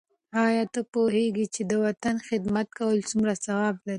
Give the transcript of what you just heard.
آیا ته پوهېږې چې د وطن خدمت کول څومره ثواب لري؟